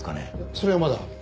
それはまだ。